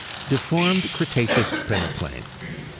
DEFORMED CRETACEOUS PENEPLAIN.